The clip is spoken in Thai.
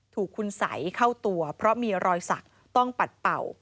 ถูกคุณสัยเข้าตัวเพราะมีรอยสักต้องปัดเป่า